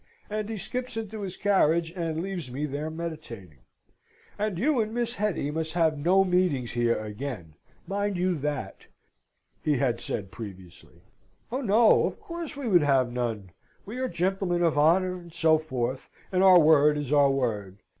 and he skips into his carriage, and leaves me there meditating. "And you and Miss Hetty must have no meetings here again, mind you that," he had said previously. Oh no! Of course we would have none! We are gentlemen of honour, and so forth, and our word is our word.